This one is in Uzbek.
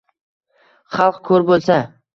Xalq koʻr boʻlsa